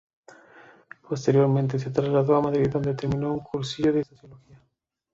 Posteriormente, se trasladó a Madrid donde terminó un cursillo de sociología.